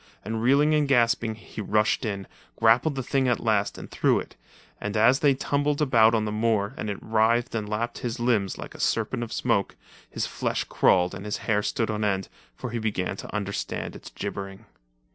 And reeling and gasping, he rushed in, grappled the thing at last and threw it, and as they tumbled about on the moor and it writhed and lapped his limbs like a serpent of smoke, his flesh crawled and his hair stood on end, for he began to understand its gibbering.